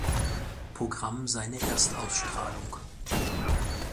Programm seine Erstausstrahlung.